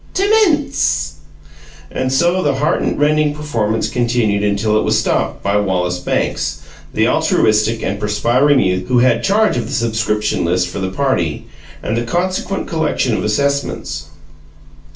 Tummence!" And so the heartrending performance continued until it was stopped by Wallace Banks, the altruistic and perspiring youth who had charge of the subscription list for the party, and the consequent collection of assessments.